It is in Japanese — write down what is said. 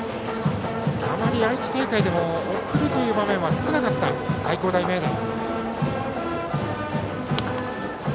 あまり愛知大会でも送る場面は少なかった愛工大名電。